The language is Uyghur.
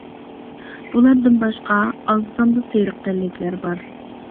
بۇلاردىن باشقا ئاز ساندا سېرىق تەنلىكلەر بار.